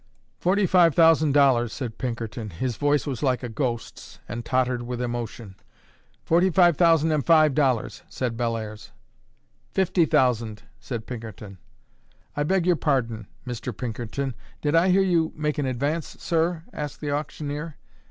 "Forty five thousand dollars," said Pinkerton: his voice was like a ghost's and tottered with emotion. "Forty five thousand and five dollars," said Bellairs. "Fifty thousand," said Pinkerton. "I beg your pardon, Mr. Pinkerton. Did I hear you make an advance, sir?" asked the auctioneer.